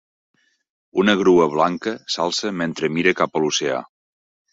Una grua blanca s'alça mentre mira cap a l'oceà.